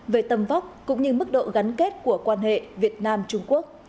về tầm vóc cũng như mức độ gắn kết của quan hệ việt nam trung quốc